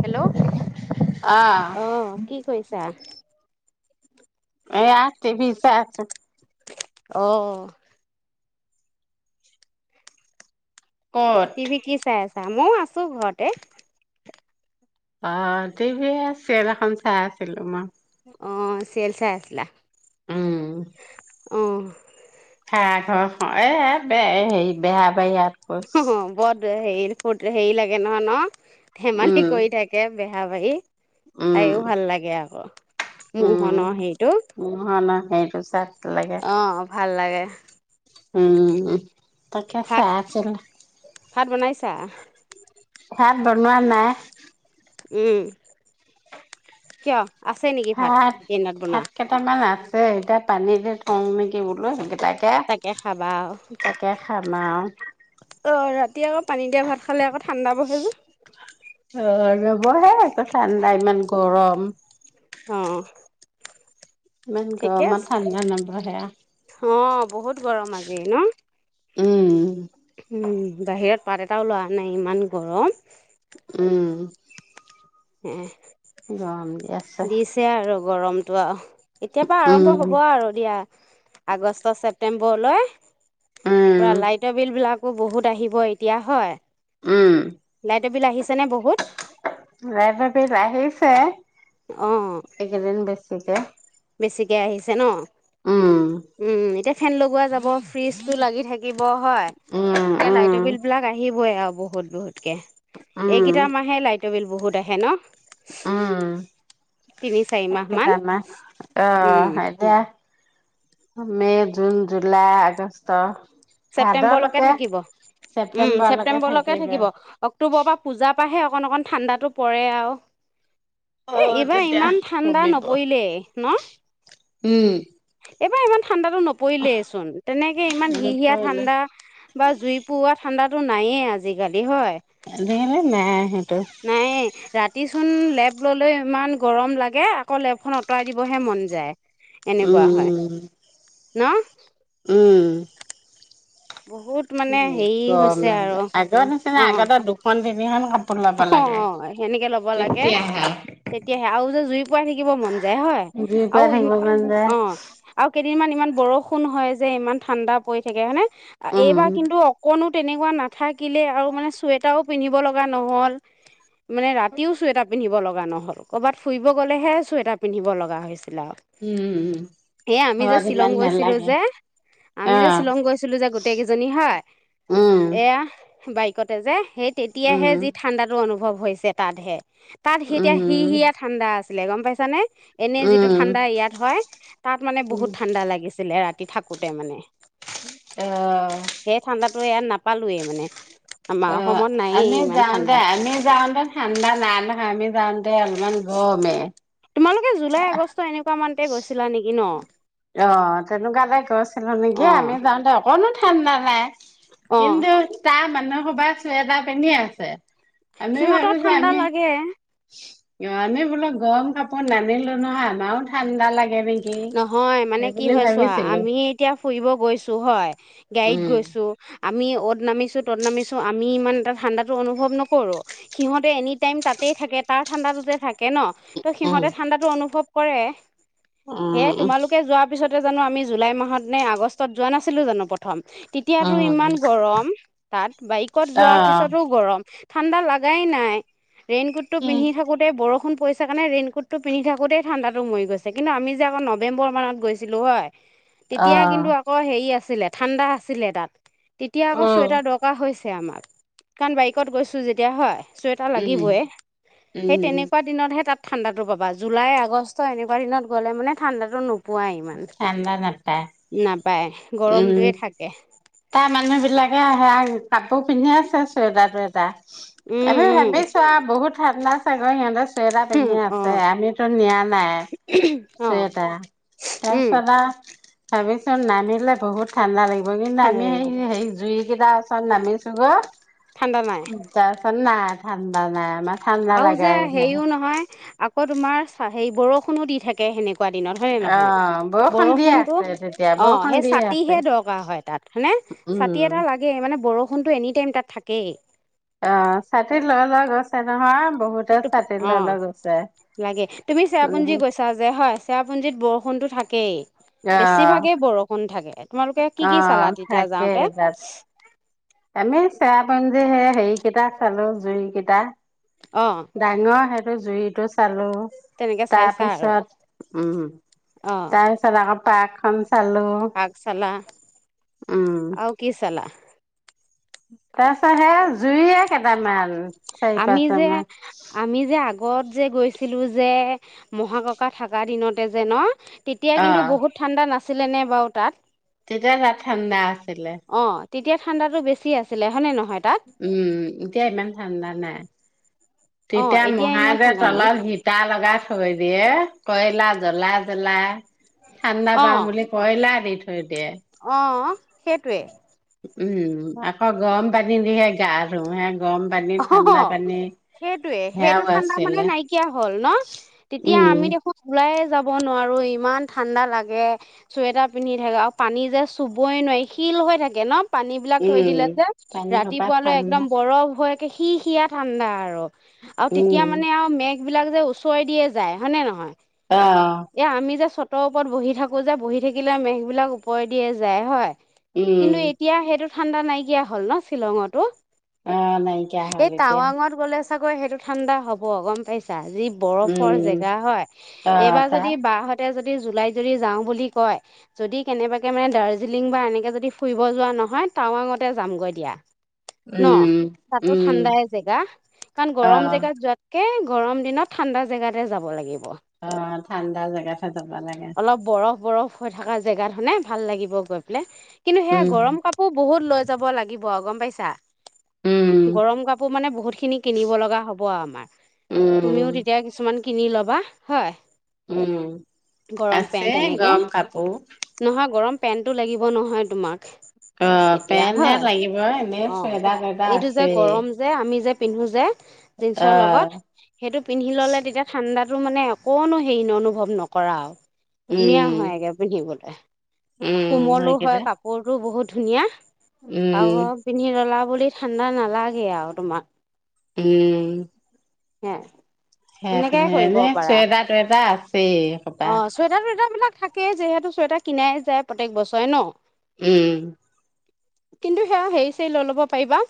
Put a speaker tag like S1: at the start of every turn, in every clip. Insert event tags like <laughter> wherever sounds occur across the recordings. S1: Hello
S2: আহ
S1: অ' কি কইছা?
S2: এয়া টি ভি চাই আছোঁ।
S1: অ'।
S2: ক'ত?
S1: টিভিত কি চাই আছা? মোৰ ছো ঘতে।
S2: অ' টিভি এ চিয়েল এখন চাই আছিলো মই।
S1: অঁ চিয়েল চাই আছিলা।
S2: উম।
S1: অঁ।
S2: ভাড়া ঘৰখ এ-বে হেই বেহাবাই আ
S1: বত হে হেৰি লাগে নহয় ন। ধেমালি
S2: উম
S1: কৰি থাকে বে। হাৰ বাৰী।
S2: উম
S1: চাইও ভাল লাগে আকৌ। মোহনৰ
S2: উম'
S1: হেৰিটো।
S2: মোহনৰ। সেই টো তাত লাগে।
S1: অ', ভাল লাগে।
S2: উম' তাকে
S1: ভাত
S2: চাই আছিলো।
S1: ভাত বনাইছা?
S2: ভাত বনোৱা নাই।
S1: উম' কিয়? আছে নেকি
S2: ভাত
S1: দিনত বনোৱা
S2: ভাত কেইটামান আছে এইকেইটা পানী দি থওঁ নেকি বোলো। তাকে
S1: খাবা আৰু।
S2: তাকে খাম আওঁ।
S1: অ' ৰাতি আও পানী দিয়া ভাত খালে আকৌ ঠাণ্ডা বহে যে।
S2: অ' নবহে একো ঠাণ্ডা ইমান গৰম।
S1: অ'
S2: ইমান
S1: ঠিকে আছে।
S2: গৰমত ঠাণ্ডা নবহে আহ।
S1: অ' বহুত গৰম আজি ন।
S2: উম'
S1: উম' বাহিৰত পাত এটাও লৰা নাই ইমান গৰম।
S2: উম'।
S1: উ <unintelligible>
S2: গৰম দি আছে।
S1: গৰমটো আও এতিয়াৰ পৰা আৰম্ভ
S2: উম,
S1: হব আৰু দিয়া। আগষ্ট ছেপ্তেম্বৰলৈ
S2: উম,
S1: পোৰা লাইটৰ বিল বিলাকো বহুত আহিব এতিয়া হয়।
S2: উম'।
S1: লাইটৰ বিল আহিছে নে বহুত?
S2: লাইটৰ বিল আহিছে
S1: অ
S2: এই কেইদিন বেছ তিয়া
S1: বেছিকে আহিছে ন? উম' এতিয়া ফেন লগোৱা যাব ফ্ৰিজটো লাগি থাকে লাগিব হয়।
S2: উম,
S1: এতিয়া
S2: উম,
S1: লাইটৰ বিল বিলাক আহিবই আৰু বহুত বহুত
S2: উম,
S1: এইকেইটা মহে লাইটৰ বিল বহুত আহে ন
S2: অ
S1: তিনি চাৰি মাহ
S2: এটো
S1: মান
S2: কাম
S1: উম
S2: আহ এতিয়া মে, জুন, জুুলাই, আগষ্ট
S1: ছেপ্তেম্বৰলৈকে
S2: ভাদলৈকে
S1: থাকিব উম ছেপ্তেম্বৰলৈকে থাকিব অক্টোবৰ পৰা পূজা ত পৰাৰাাহে অকণ অকণ ঠাণ্ডাতো পৰে আৰু এ
S2: অ'
S1: এইবাৰ
S2: তেতিয়া
S1: ইমান ঠাণ্ডা
S2: কমিব
S1: নপৰিলেই ন
S2: উম
S1: এইবাৰ ইমান ঠাণ্ডাতো নপৰিলেই চোন তেনেকে ইমান হিহিয়া
S2: নপৰিলে
S1: ঠাণ্ডা বা জুই পোৱা ঠাণ্ডা টো নায়ে আজিকালি হয়
S2: দেহলে নাই স
S1: নায়েই ৰাতিচোন লেব ল'লে ইমান গৰম লাগে আকৌ লেবখন আঁতৰাই দিবহে মন যায় এনেকুৱা
S2: উম,
S1: হয়
S2: উম'।
S1: ন
S2: উম
S1: বহুত মানে
S2: উ
S1: হেৰি
S2: গৰম
S1: হৈছে আৰু
S2: এইবাৰ আগত নিচিনা
S1: অ
S2: আগতে দুখন মিখন
S1: অ সেনেকে ল'ব লাগে
S2: তেতিয়াহে
S1: তেতিয়াাহে আৰু যে ম বৰষুণ
S2: জুই পৰা থাকিব মন যায়
S1: হয়য় যে ইমান ঠাণ্ডা পৰি থাকে হনেে
S2: উম
S1: এইবাৰ কিন্তু অকণো তেনেকুৱা নাথাকে থাকিলে আৰু মানে চুৱেটাৰো পিন্ধিব লগাাই নহল মানে ৰাতিও চুৱেটাৰ পিন্ধিব লগিব নহ'ল ক'ৰবাত ফুৰিব গ'লেহে চুৱেটাৰ পিন্ধিব লগা হৈছে এ আমি যে
S2: ঘৰত ইমান
S1: শ্বিলং গৈছিলো
S2: নালাগে
S1: যে আমি
S2: অ
S1: যে শ্বিলং গৈছিলো যে গোটেই কেইজনী হয়
S2: উম
S1: এয়া বাইকতে যে সেই
S2: উম
S1: তেতিয়াহে- যি ঠাণ্ডাটো অনুভৱ- হৈছে তাতহে। তাত সিতিয়া সি
S2: উম
S1: হিয়া ঠাণ্ডা আছে। চিলে গম পাইছানে? এনে যিটো
S2: উম
S1: ঠাণ্ডা ইয়াত হয়, তাত মানে বহুত ঠাণ্ডা লাগিছিলে ৰাতি টি থাকোতে মানে।
S2: অহ
S1: ত ইয়াত নাপালোৱে মানে। আমাৰ
S2: অ
S1: অসমত নায়ে
S2: আমি
S1: ইমান।
S2: যাওঁতে আমি যাওঁতে ঠাণ্ডা নাই। আমাক আমি যাওঁ ত ইমান গৰমে
S1: তোমালোকে জুলাই আগষ্ট এনেকুৱা মানতে গৈছিলা নেকি ন?
S2: অহ, তেনেকুৱাকে গৈছিলোঁ নেকি,
S1: অ
S2: আমি যাওঁতে অকনমান ঠাণ্ডা নাই।
S1: অ
S2: কিন্তু, তাৰ মানুহ স'বাই সোৱেটাৰ পিন্ধে আছে। আমি
S1: সিহঁতৰ ঠাণ্ডা লাগে।
S2: ইমানেই নানিলো নহয় বোলো গৰম কাপোৰ নানিলো নহয়, আমাৰো ঠাণ্ডা লাগ গে নিকি
S1: নহয়
S2: <unintelligible>
S1: মানে কি হৈ ছোৱা, আমি এতিয়া ফুৰিব গৈছোঁ, হয়, গাড়ীত
S2: উম
S1: গৈছোঁ আমি অ'ত নামিছোঁ, ত'ত নামিছোঁ, আমি ইমান এটা ঠাণ্ডাটো অনুভৱ নকৰোঁ। সিহঁতে এনি টাইম তাতেই থাকে, তাৰ ঠাণ্ডাটোতে থাকে ন। ত'
S2: উম
S1: সিহঁতে ঠাণ্ডাটো অনুভৱ কৰে।
S2: উম
S1: সেয়াই
S2: উম
S1: তোমালোকে যোৱাৰ পিছত কিয়জানো আমি জুলাই মাহত নে আগষ্টত যোৱা নাছিলোঁ জানো প্ৰথম? তেতিয়াতো ইমান গৰম, তাত বাইকত যোৱাৰ
S2: আহ
S1: পিছতো গৰম। ঠাণ্ডা লাগাই নাই। ৰেইনকোটটো পিন্ধি থাকোঁতে বৰষুণ পৰিছে কাৰণে ৰেইনকটটো পিন্ধ থাকোতে ঠাণ্ডাটো মৰি গৈছ ছে কিন্তু, আমি যে আকৌ নৱেম্বৰ মানত গৈছিলোঁ হয়? তেতিয়া
S2: আহ
S1: কিন্তু আকৌ হেৰি আছে।। আছিলে, ঠাণ্ডা আছিলে তাত। তেতিয়া আকৌ
S2: উম
S1: চুৱেটাৰ দৰকাৰ হৈছে।। সেয়া আমাক কাৰণ বাইকত গৈছোঁ যেতিয়া হয়। চুৱেটাৰ
S2: উম
S1: লাগিবয়ে সেই
S2: উম
S1: তেনেকুৱা দিনতহে তাত।। ঠাণ্ডাটো পাবা জুলাই আগষ্ট এনেুৱ এনেকুৱা দিনত গ'লে মানে ঠাণ্ডাটো নো পোৱাই ইমান
S2: ঠাণ্ডা নাপায়
S1: নাপায়
S2: উম
S1: গৰমটোৱে থাকে।
S2: তাৰ মানুহ বিলাকে আহে, কাপোৰ পিন্ধি আছে চুৱেটাৰ টুৱেটাৰ।
S1: উম
S2: আমি
S1: উম
S2: ভাবিছো আ বহুত।। ঠাণ্ডা চাগৈ সিহঁতে চুৱেটাৰ
S1: উম
S2: পিন্ধি
S1: অ
S2: আছে আমিতো নিয়া নাই
S1: অ
S2: চুৱেটাৰ।
S1: উম
S2: তাৰপিছত আৰু। ভাবিছো নানিলে বহুত ঠাণ্ডা লাগি <unintelligible>
S1: ঠাণ্ডা
S2: আমি
S1: লাগিব
S2: সেই হেৰিত জুৰিকেইটা আছে।। তাত নামিছো গৈ।
S1: ঠাণ্ডা নাই
S2: এ ত চ না <inaudible> ঠাণ্ডা নাই আমাক।।
S1: আৰু যে হেৰিও নহয় আকৌ। আকৌ তোমাৰ চা হেৰী বৰষুণো দি থাকে। তে হেনেকুৱা দিনত হয় নে
S2: অ
S1: নহয়।
S2: বৰষুণ দি
S1: বৰষুণতো
S2: আছে তেতিয়া
S1: অ
S2: বৰষুণ
S1: সেই
S2: দি আছে
S1: চাতিহে দৰকাৰ হয় তাত হয়নে? চাতি
S2: উম।
S1: এটা লাগে মানে বৰ বৰষুণ টো এনি টাইম তাত থাকেই।
S2: অ চাতিত লৈ লৈ গৈছে নহয়। বহুতে ছাতি
S1: অ
S2: লৈ লৈ গৈছে
S1: লাগে। তুমি
S2: উম।
S1: চেৰাপুঞ্জী গৈছা যে হয় চেৰাপুঞ্জিত বৰষুণতো থাকে। কেই।
S2: অ',
S1: বেছিভাগেই বৰষুণ থাকে। তোমালোকে কি কি চালা
S2: অ',
S1: তেতিয়া
S2: থাকে
S1: যাওঁতে?
S2: তাত। আমি চেৰাপুঞ্জী সেয়া হেৰি। কেইটা চালো জুৰি কেইটা
S1: অ
S2: ডাঙৰ স জুৰিটো চালো।।
S1: তেনেকে চাইছা আৰু
S2: তাৰপিছত।। উম। তাৰপিছত আকৌ। ভাত খাম চ
S1: পাচালা অৰু কি চালা
S2: তাৰ পিছত সে জুইয়ে কেইটামান চাৰি
S1: আমি যে
S2: পাঁচটামান
S1: আমি যে আগত যে গৈছিলোঁ যে মহাককা থকা দিনতে যে ন? তেতিয়া কিন্তু
S2: অ'।
S1: বহুত ঠাণ্ডা নাছি নাছিলে বাৰু তাত
S2: যা তাত ঠাণ্ডা দিলে
S1: অ তেতিয়া ঠাণ্ডাটো বেছি আছিলে হয়নে নহয়? তাত
S2: উম এতিয়া ইমান ঠাণ্ডা নাই
S1: অ
S2: তেতিয়া
S1: এতিয়া ইমান
S2: মহাদেৱ
S1: ঠাণ্ডা নাই
S2: তলত হিটাৰ লগাই থৈ দিয়ে কয়লা জ্বলা পেলাই ঠাণ্ডা
S1: অ
S2: পাম বুলি কয়লা দি থৈ দিয়ে।
S1: অ' সেইটোৱে।
S2: উম আকৌ গৰম পানী দিহে গা ধোওঁ হে গৰম পানী
S1: অহ হ
S2: ঠাণ্ডা পানী
S1: সেইটোয়ে সেইটো
S2: সেয়াও
S1: ঠাণ্ডা মানে
S2: আছিলে
S1: নাইকিয়া হল ন তেতিয়া
S2: উম
S1: আমি দেখোন ওলাই। যাব নোৱাৰোঁ ইমান ঠাণ্ডা লাগে চুৱেটাৰ পিন্ধি থাকে আৰু পানী যে চুবই নোৱাৰি শিল হৈ থাকে ন। পানী বিলাক থৈ
S2: উম
S1: দিলে যে
S2: পানী সোপা
S1: ৰাতিপুৱালৈ
S2: ঠাণ্ডা
S1: একদম বৰফ হৈ সি সিয়ীয়া ঠাণ্ডা আৰু আৰু তেতিয়া
S2: উম
S1: মানে আৰু মেঘ। মেঘ বিলাক যে ওচৰই দিয়ে যায় হয়নে নহয়।
S2: অ
S1: এয়া আমি যে চ'ত। চতৰ ওপৰত বহি থাকোঁ যে বহি থাকিলে মেঘবিলাক ওপৰে দিয়ে যায় হয়।
S2: উম
S1: কিন্তু এতিয়া সেইটোত। ঠাণ্ডা নাইকিয়া হ'ল ন শ্বিলঙতো।
S2: অ নাইকিয়া হ'ল
S1: এই
S2: এতিয়া
S1: টাৱাঙত গ'লে। চাগৈ সেইটো ঠাণ্ডা হব গম পাইছা। যি বৰফৰ
S2: উম
S1: জেগা হয়
S2: অ
S1: এইবাৰ যদি
S2: তাত
S1: বাহতে যদি যদি জুলাইত যদি যাওঁ বুলি কয় যদি কেনেবাকে মানে দাৰ্জিলিং বা এনেকে যদি ফুৰিব যোৱা নহয় টাৱাঙতে যামগৈ দিয়া। ন
S2: উম।
S1: তাতো
S2: উম
S1: ঠাণ্ডাই জেগা কাৰণ
S2: অ
S1: গৰম জেগাত যোৱাত। এ গৰম দিনত ঠাণ্ডা জেগাতে যাব লাগে।
S2: অ' ঠাণ্ডা জেগাতহে যাব লাগে।
S1: অলপ বৰফ বৰফ হৈ থকা জেগা খনে ভাল লাগিব গৈ পেলাই। কিন্তু হেয়া
S2: উম
S1: গৰম কাপোৰ বহুত লৈ যাব লাগিব গম পাইছা।
S2: উম
S1: গৰম কাপোৰ মানে বহুত খিনি কিনিব লগা হব আমাৰ
S2: উম
S1: তুমিও তেতিয়া কিছুমান। কিনি ল'বা হয়।
S2: উম।
S1: গৰম
S2: আছে
S1: পেন্ট
S2: গৰম কাপোৰ।
S1: পেণ্টটো লাগিব নহয় তোমাক।
S2: অ'
S1: তেতিয়া
S2: পেন হে
S1: হয়
S2: লাগিব, ‌ এনেই
S1: অ
S2: চুৱেটাৰ টোৱেটাৰ
S1: এইটো যে গৰম যে আমি যে। পিন্ধো যে। জীন্চৰ
S2: অ
S1: লগত, সেইটো পিন্ধি ললে তেতিয়া ঠাণ্ডাত। টো মানে অকনো হেৰি অনুভৱ নকৰা আৰু। ধুনীয়া হৈ
S2: উম
S1: একে পিন্ধি বলে। এহ
S2: উম
S1: কোমলো হয়
S2: সেইকেইটা
S1: কাপোৰটো বহুত। ধুনীয়া আগৰ
S2: উম
S1: খিনি অলপ। পুলিচ ঠাণ্ডা নালাগে আৰু তোমাক।
S2: উম
S1: হে
S2: সে
S1: সেনেকে
S2: পিনে
S1: কৰিব
S2: এনে
S1: পাৰা
S2: চুৱেটাৰ টুৱেটাৰ আছেই এসোপা।
S1: সেইবিলাক থাকেই যিহেতু চুৱেটাৰ কিনাই যায় প্ৰত্যেক বছৰে ন।
S2: উম
S1: কিন্তু সেয়া হেৰি চেৰি লৈ ল'ব পাৰিবা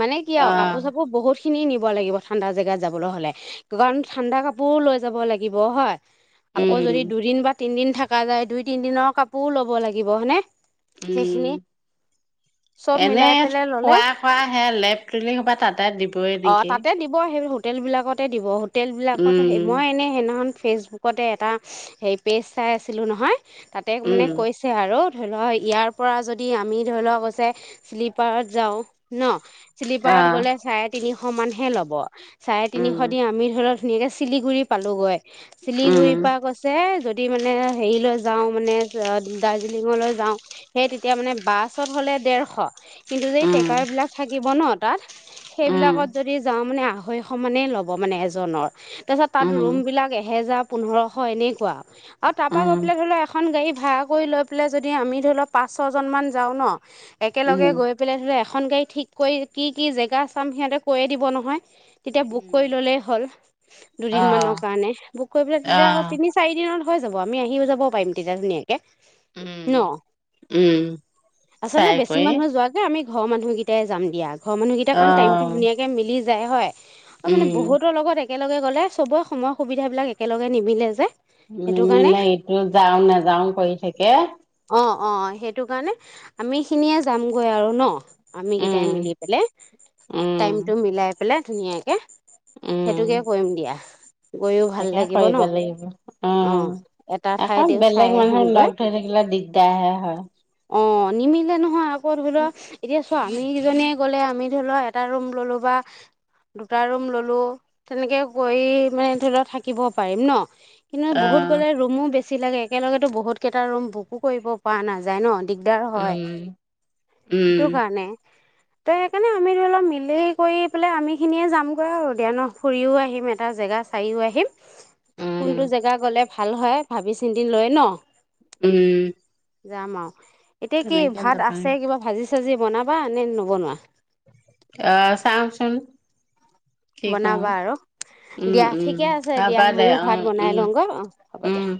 S1: মানে কি
S2: অ
S1: আৰু কাপোৰ চাপোৰ বহুত। কিনি নিব লাগিব ঠাণ্ডা জেগাত যাবলৈ হ'লে গৰম। ঠাণ্ডা কাপোৰো লৈ যাব লাগিব হয়। আকৌ যদি
S2: উম
S1: দুদিন বাট। তিনদিন থকা যায় দুই তিনিদিনৰ কাপোৰো ল'ব লাগিব হয়নে। সেইখিনি
S2: উম
S1: চব
S2: এনে
S1: মিলাই পেলে ল
S2: খোৱা খোৱা হে লেপ তুলি সোপা তাতে দিবই নেকি।
S1: হোটেলবিলাকতে দিব। হোতেলবিলাকত মই
S2: উম
S1: এনেই সেইদিনাখন। ফেচবুকতে এটা হেৰি পেজ চাই আছিলোঁ নহয়। তাতে মানে
S2: উম
S1: কৈছে আৰু নহয় ইয়াৰ পৰা যদি আমি ধৰি লওক হৈছে শ্লীপাৰত যাওঁ ন?
S2: অ
S1: শ্লিপাৰ গ'লে চাইড তিনিশ মানহে ল'ব চাৰে তিনিশ দি
S2: উম
S1: আমি ধৰি লওক ধুনীয়া শিলিগুৰি পালোঁগৈ। শিলিগুৰি
S2: উম
S1: পা কৈছে যদি যদি মানে হেৰিলৈ যাওঁ মানে দাৰ্জিলিঙলৈ যাওঁ সেই তেতিয়া মানে বাছত হলে দেৰশ কিন্তু যেই
S2: উম
S1: <unintelligible> কাৰ বিলাক থাকিব ন তাত
S2: উম
S1: সেইবিলাকত যদি যাওঁ মানে আহ সমানে ল'ব মানে এজনৰ। তাৰপিছত তাত
S2: উম
S1: ৰুম বিলাক এহেজাৰ পোন্ধৰশ এনেকুৱা আৰু তাৰপা গপ
S2: উম
S1: পাই ধৰি লও এ এখন গাড়ী ভাড়া কৰি লৈ পেলাই যদি আমি ধৰি লওক পাঁচ ছয়জনমান যাওঁ ন একেলগে
S2: উম
S1: গৈ পেলাই ধ এখন গাড়ী ঠিক কৰি কি কি জেগা চাম সিহঁতে কৈয়ে দিব নহয়। তেতিয়া বুক কৰি
S2: উম
S1: ল'লেই হ'ল
S2: অ
S1: দুদিন মানৰ কাৰণে বুক কৰি পেলাই
S2: অ
S1: তেতিয়া আকৌ তিনি চাৰি দিনৰ হৈ যাব আমি আহিও যাব শুব পাৰিম ধুনীয়াকে
S2: উম
S1: ন
S2: উম
S1: আচলতে
S2: চাই
S1: বেছি
S2: কৰি
S1: মানুহ ঘৰ মানুহকেইটাই যাম দিয়া। ঘৰ মানুহকেই
S2: অ
S1: কাৰণ টাইমটো ধুনিয়াকে মিলি যায় হয়। অ' মানে
S2: উম
S1: বহুতৰ লগত একেলগে গ'লে চবৰে সময় সুবিধাবিলাক একেলগে নিমিলে যে। সেইটো কাৰণে
S2: নিমেলে, এইটো যাওঁ, নাযাওঁ কৰি থাকে।
S1: অ অ', সেইটো কাৰণে আমিখিনিয়ে যামগৈ আৰু নো? আমি
S2: উম,
S1: কেইটাই মিলি পেলাই
S2: উম,
S1: টাইমটো মিলাই পেলাই। ধুনীয়াকে
S2: উম।
S1: সেইটোকে কৰিম দিয়া গৈও ভাল
S2: তাকে
S1: লাগিব ন
S2: কৰিব লাগিব।
S1: এটা
S2: অ' আকৌ
S1: ঠাইতেও চাই
S2: বেলেগ মানুহ
S1: আহিমগৈ
S2: লগ ধৰি থাকিলে দিগদাৰহে হয়।
S1: অ নিমিলে নহয়। ফৰ হুইলাৰ চোৱা আমি কেইজনীয়ে গলে আমি ধৰি লোৱা এটা ৰুম ললো বা দুটা ৰুম ললো তেনেকে কৰি মানে ধৰি লও থাকিব পাৰিম ন কিন্তু বহুত
S2: অ'
S1: গ'লে ৰুমো বেছি যি লাগে একেলগেতো বহুতকেইটা ৰুম বুকো কৰিব পৰা নাযায় ন। দিগদাৰ হয়
S2: উম, উম,
S1: সেইটো কাৰণে। ত' সেইকাৰণে আমি ধৰি অলপ মিলি কৰি পেলাই আমি খিনিয়ে যামগৈ আৰু দিয়া ন। ফুৰিও আহিম। এটা জেগা চাইও আহিম।
S2: উম,
S1: কোনটো জেগা গ'লে ভাল হয় ভাবি চিন্তি লৈ ন।
S2: উম।
S1: যাম আৰু। এতিয়া কি
S2: তেনেকে
S1: ভাত
S2: যাব লাগিব
S1: আছে কিবা ভাজি চজি বনাবা নে নবনোৱা?
S2: অহ চামচুং।
S1: বনাবা আৰু, দিয়া
S2: উম।
S1: ঠিকে আছে
S2: হ'ব
S1: দিয়া,
S2: দে
S1: ময়ো ভাত
S2: অ'
S1: বনাই
S2: উম,
S1: লওঁ গ হ'ব দিয়া।
S2: উম।